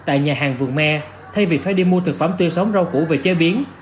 tại nhà hàng vườn me thay vì phải đi mua thực phẩm tươi sống rau củ về chế biến